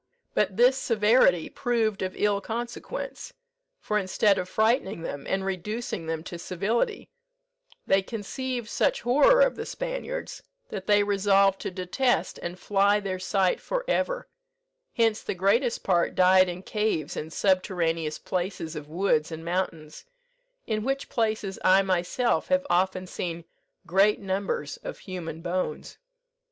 But this severity proved of ill consequence, for instead of frightening them, and reducing them to civility, they conceived such horror of the Spaniards, that they resolved to detest and fly their sight for ever; hence the greatest part died in caves and subterraneous places of woods and mountains, in which places I myself have often seen great numbers of human bones."